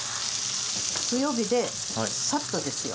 強火でサッとですよ。